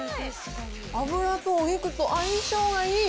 脂とお肉と相性がいい。